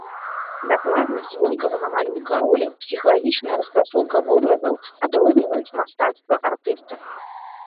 Дакладнасць вонкавага малюнка ролі, псіхалагічная распрацоўка вобразаў адрозніваюць мастацтва артыста.